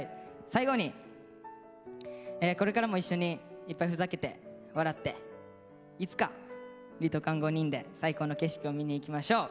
最後にこれからも一緒にいっぱいふざけて笑っていつかリトかん５人で最高の景色を見に行きましょう。